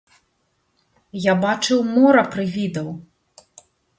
Я бачыў мора прывідаў.